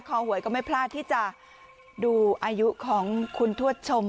หวยก็ไม่พลาดที่จะดูอายุของคุณทวดชม